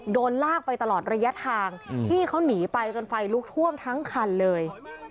โดนลากไปตลอดระยะทางที่เขาหนีไปจนไฟลุกท่วมทั้งคันเลย